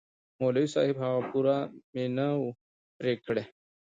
د مولوي صاحب هغه پور مې نه و پرې كړى.